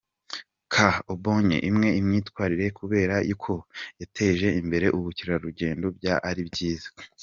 K abonye imwe imwitirirwa kubera ko yateje imbere ubukerarugendo byaba ari byiza.